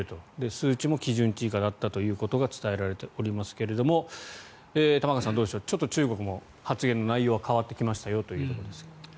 数値も基準値以下だったということが伝えられておりますが玉川さん、どうでしょうちょっと中国も発言の内容が変わってきましたよというところですが。